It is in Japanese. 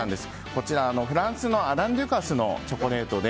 こちらはフランスのアラン・デュカスのチョコレート。